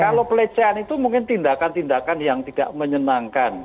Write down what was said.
kalau pelecehan itu mungkin tindakan tindakan yang tidak menyenangkan